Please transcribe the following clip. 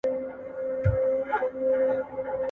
زه هره ورځ سبزېجات جمع کوم.